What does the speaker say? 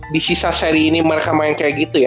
di sisa seri ini mereka main kayak gitu ya